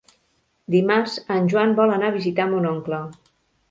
Dimarts en Joan vol anar a visitar mon oncle.